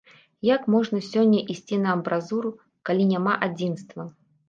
Як можна сёння ісці на амбразуру, калі няма адзінства?